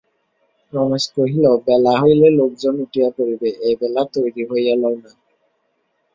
রমেশ কহিল, বেলা হইলে লোকজন উঠিয়া পড়িবে, এইবেলা তৈরি হইয়া লও না।